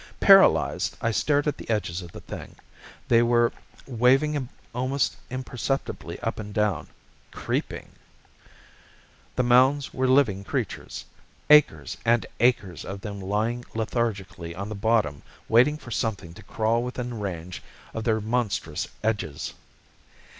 Paralyzed, I stared at the edges of the thing. They were waving almost imperceptibly up and down, creeping! The mounds were living creatures! Acres and acres of them lying lethargically on the bottom waiting for something to crawl within range of their monstrous edges!